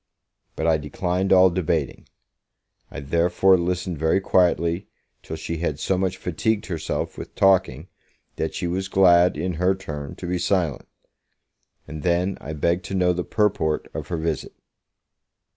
But I declined all debating. I therefore listened very quietly, till she had so much fatigued herself with talking, that she was glad, in her turn, to be silent. And then, I begged to know the purport of her visit.